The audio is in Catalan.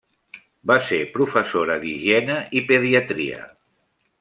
Va ser professora d'higiene i pediatria.